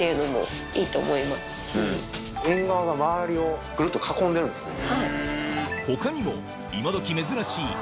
縁側が周りをグルっと囲んでるんですね。